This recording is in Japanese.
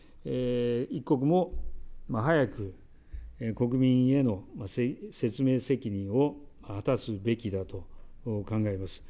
一刻も早く、国民への説明責任を果たすべきだと考えます。